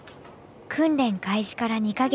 訓練開始から２か月。